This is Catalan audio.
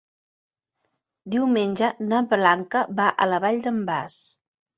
Diumenge na Blanca va a la Vall d'en Bas.